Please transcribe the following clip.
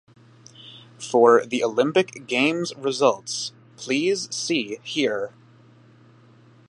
For the Olympic Games results, please see here.